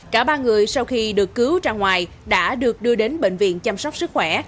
cả ba người sau khi được cứu ra ngoài đã được đưa đến bệnh viện chăm sóc sức khỏe